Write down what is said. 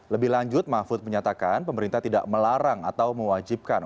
lebih lanjut mahfud menyatakan pemerintah tidak melarang atau mewajibkan